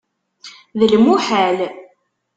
D lmuḥal!